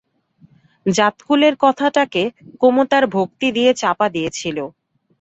জাতকুলের কথাটাকে কুমু তার ভক্তি দিয়ে চাপা দিয়েছিল।